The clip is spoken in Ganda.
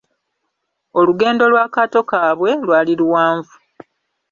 Olugendo lw'akaato kaabwe lwali luwanvu.